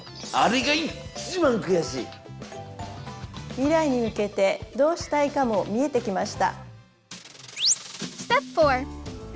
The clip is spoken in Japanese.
未来に向けてどうしたいかも見えてきました。